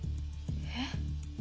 えっ？